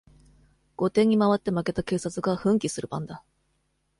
後手にまわって負けた警察が奮起する番だ。